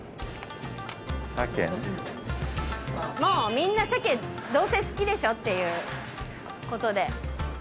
みんな鮭どうせ好きでしょっていうことで。